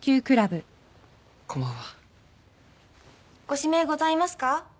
ご指名ございますか？